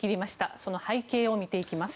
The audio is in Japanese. その背景を見ていきます。